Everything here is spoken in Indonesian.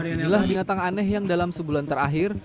inilah binatang aneh yang dalam sebulan terakhir